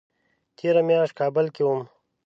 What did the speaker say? تېره میاشت کابل کې وم